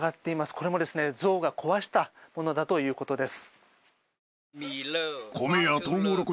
これも象が壊したものだということです。